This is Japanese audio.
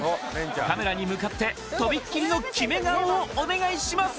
カメラに向かってとびっきりのキメ顔をお願いします！